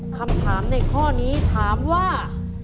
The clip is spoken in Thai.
คำถามในข้อนี้ถามว่า